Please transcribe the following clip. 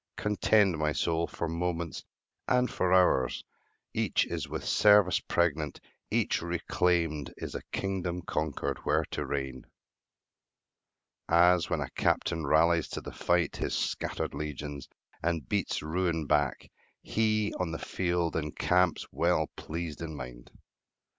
Contend, my soul, for moments and for hours; Each is with service pregnant; each reclaimed Is as a kingdom conquered, where to reign. As when a captain rallies to the fight His scattered legions, and beats ruin back, He, on the field, encamps, well pleased in mind.